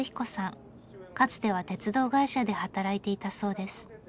かつては鉄道会社で働いていたそうです。